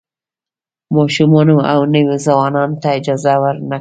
ماشومانو او نویو ځوانانو ته اجازه نه ورکوي.